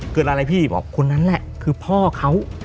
เกิดอะไรพี่บอกคนนั้นแหละคือพ่อเขา